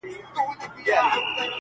دودونه ژوند توره څېره کوي تل,